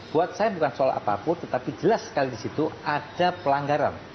buat saya bukan soal apapun tetapi jelas sekali di situ ada pelanggaran